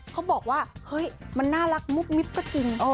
เขาบอกว่าเฮ้ยมันน่ารักมุบมิบก็จริง